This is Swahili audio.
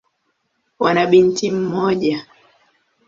Wana binti mmoja.